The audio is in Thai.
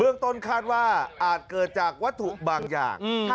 เรื่องต้นคาดว่าอาจเกิดจากวัตถุบางอย่าง